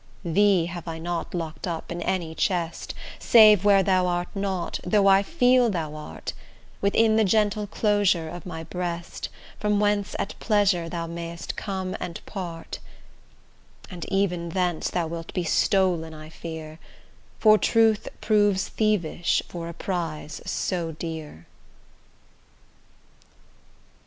Thee have I not lock'd up in any chest, Save where thou art not, though I feel thou art, Within the gentle closure of my breast, From whence at pleasure thou mayst come and part; And even thence thou wilt be stol'n I fear, For truth proves thievish for a prize so dear.